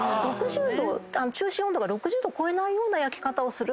中心温度が６０℃超えないような焼き方をすると。